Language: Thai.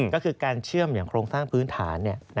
ก็คือการเชื่อมอย่างโครงสร้างพื้นฐาน